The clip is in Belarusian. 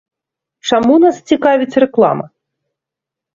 Чаму нас цікавіць рэклама?